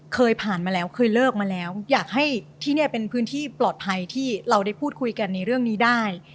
เคยผ่านมาแล้วเคยเลิกมาแล้วอยากให้ที่นี่เป็นพื้นที่ปลอดภัยที่เราได้พูดคุยกันในเรื่องนี้ได้